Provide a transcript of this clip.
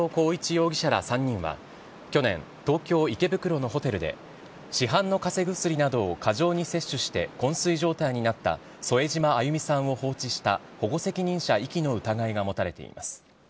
容疑者ら３人は去年、東京・池袋のホテルで、市販のかぜ薬などを過剰に摂取してこん睡状態になった添島あゆみさんを放置した保護責任者遺棄の疑いが持たれています。